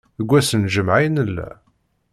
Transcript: Deg ass n lǧemɛa i nella?